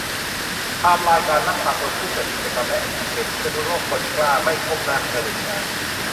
ไทม์ไลน์การลักพาตัวผู้จัดกิจกรรมและแอดมินเพจ พิษณุโลกคนกล้าไม่ก้มหน้าให้เผด็จการ